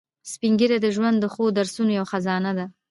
سپین ږیری د ژوند د ښو درسونو یو خزانه دي